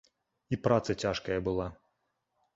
І праца цяжкая была.